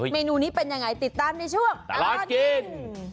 เมนูนี้เป็นยังไงติดตามในช่วงตลอดกิน